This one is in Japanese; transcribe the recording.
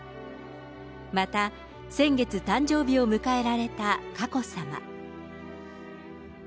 また、先月、誕生日を迎えられた佳子さま。